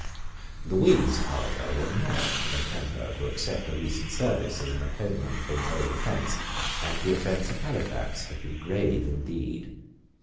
The Whigs, however, were not in a temper to accept a recent service as an atonement for an old offence; and the offence of Halifax had been grave indeed.